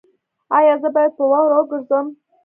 ایا زه باید په واوره وګرځم؟